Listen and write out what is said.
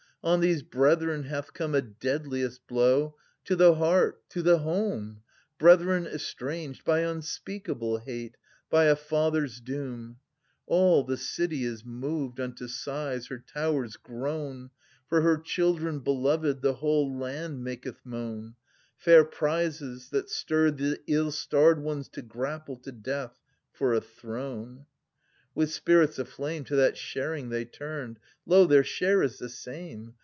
On these brethren hath come A deadliest blow To the heart, to the home — Brethren estranged by imspeakable hate, by a Other's doom ! {Ant. 2) All the city is moved 900 Unto sighs, her towers groan : For her children beloved The whole land maketh moan — Fair prizes that stirred the ill starred ones to grapple to death for a throne ! With spirits aflame To that sharing they tinned. Lo, their share is the same.